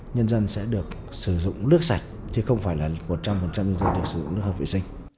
nhân dân sẽ được sử dụng nước sạch chứ không phải là một trăm linh nhân dân để sử dụng nước hợp vệ sinh